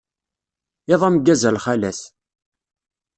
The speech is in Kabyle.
Iḍ ameggaz a lxalat.